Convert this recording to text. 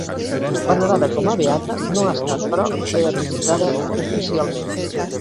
Venerada com a beata, no ha estat, però, beatificada oficialment.